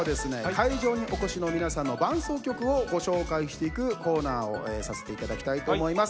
会場にお越しの皆さんの伴走曲をご紹介していくコーナーをさせていただきたいと思います。